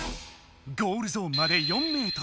ゴールゾーンまで４ｍ。